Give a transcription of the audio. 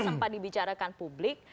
sempat dibicarakan publik